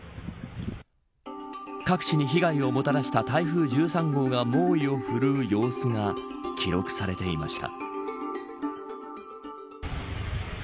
各地に被害をもたらした台風１３号が猛威を振るう様子が記録されていました。